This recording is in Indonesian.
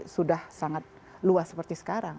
sudah sangat luar biasa